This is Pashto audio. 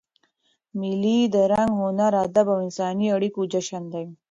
مېلې د رنګ، هنر، ادب او انساني اړیکو جشن دئ.